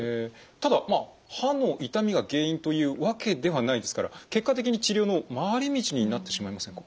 ただまあ歯の痛みが原因というわけではないですから結果的に治療の回り道になってしまいませんか？